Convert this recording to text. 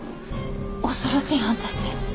恐ろしい犯罪って？